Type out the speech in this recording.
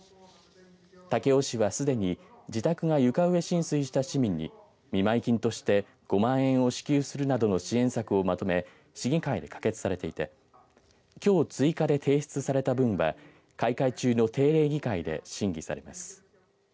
武雄市は、すでに自宅が床上浸水した市民に見舞金として５万円を支給するなどの支援策をまとめ市議会で可決されていてきょう追加で提出された分は開会中の定例議会で審議されます。